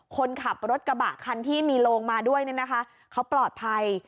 คนขับรถกระบะคันที่มีโลงมาด้วยเนี่ยนะคะเขาปลอดภัย